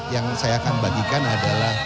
yang saya akan bagikan adalah